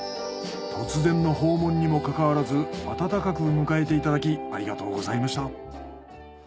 突然の訪問にもかかわらずあたたかく迎えていただきありがとうございました。